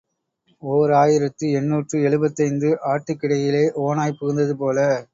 ஓர் ஆயிரத்து எண்ணூற்று எழுபத்தைந்து ஆட்டுக்கிடையிலே ஓநாய் புகுந்ததுபோல.